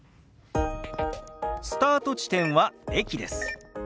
スタート地点は駅です。